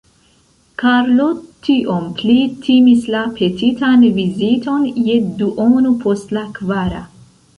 Karlo tiom pli timis la petitan viziton je duono post la kvara.